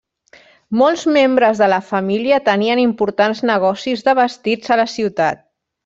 Molts membres de la família tenien importants negocis de vestits a la ciutat.